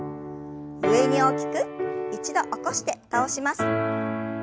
上に大きく一度起こして倒します。